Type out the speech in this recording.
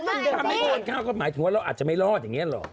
ถ้าไม่โดนข้าวก็หมายถึงว่าเราอาจจะไม่รอดอย่างนี้หรอ